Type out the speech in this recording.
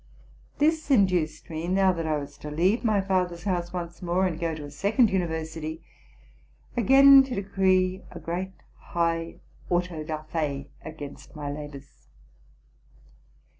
This induced me, now that I was to leave my father's house once more, and go to a second university, again to decree a great high quto da fé against my labors.